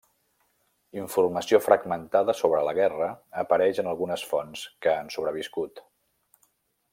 Informació fragmentada sobre la guerra apareix en algunes fonts que han sobreviscut.